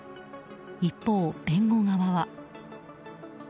一方、弁護側は。